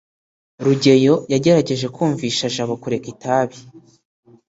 rugeyo yagerageje kumvisha jabo kureka itabi